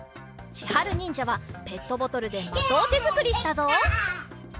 ちはるにんじゃはペットボトルでまとあてづくりしたぞ。